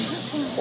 お。